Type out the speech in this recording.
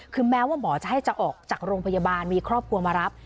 คือแม้ว่าหมอจะให้จะออกจากโรงพยาบาลมีครอบครัวมารับ